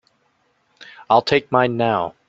I'll take mine now.